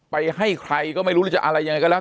ให้ใครก็ไม่รู้หรือจะอะไรยังไงก็แล้ว